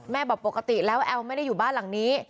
บอกปกติแล้วแอลไม่ได้อยู่บ้านหลังนี้